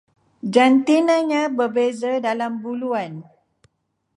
Jantinanya berbeza dalam buluan